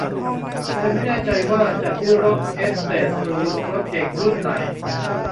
เธอไม่แน่ใจว่าจะซื้อรถเอสเตทหรือรถเก๋งรุ่นไหน